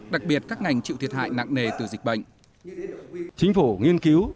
đặc biệt các ngành chịu thiệt hại nặng nề từ dịch bệnh